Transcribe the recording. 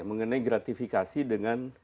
mengenai gratifikasi dengan